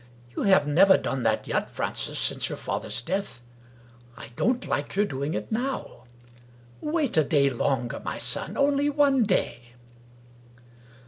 You have never done that yet, Francis, since your father's death, I don't like your doing it now. Wait a day longer, my son — only one day."